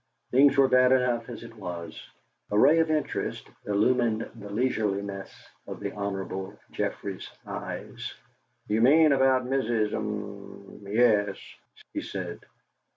Things were bad enough as it was." A ray of interest illumined the leisureliness of the Hon. Geoffrey's eyes. "You mean about Mrs. H'm, yes?" he said.